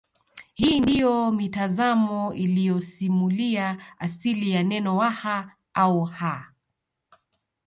Hii ndiyo mitazamo iliyosimulia asili ya neno Waha au Ha